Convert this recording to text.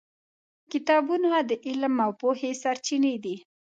کتابونه د علم او پوهې سرچینې دي.